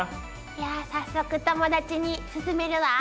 いや早速友達に勧めるわ。